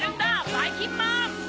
ばいきんまん！